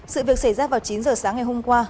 sự việc xảy ra vào chín giờ sáng ngày hôm qua